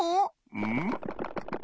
うん？